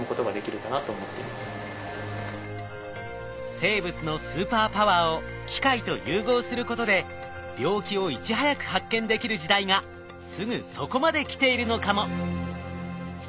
生物のスーパーパワーを機械と融合することで病気をいち早く発見できる時代がすぐそこまで来ているのかも！